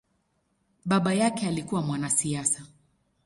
Baba yake alikua mwanasiasa.